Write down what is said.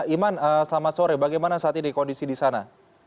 iman selamat sore bagaimana saat ini kondisi di sana